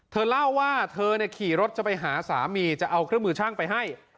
เธอเล่าว่าเธอขี่รถจะไปหาสามีจะเอาเครื่องมือช่างไปให้